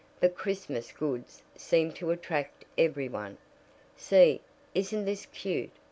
"But Christmas goods seem to attract every one. See, isn't this cute?"